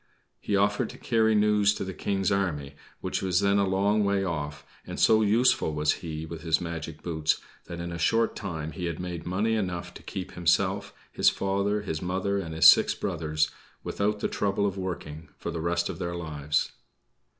He offered to carry news to the King's army, which was then a long way off; and so useful was he with his magic boots, that in a short time he had made money enough to keep himself, his father, his mother and his six brothers without the trouble of working for the rest of their lives.